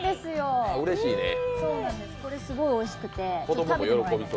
これ、すごいおいしくて。